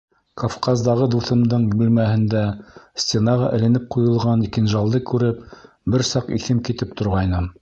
Кавказдағы дуҫымдың бүлмәһендә, стенаға эленеп ҡуйылған кинжалды күреп, бер саҡ иҫем китеп торғайным.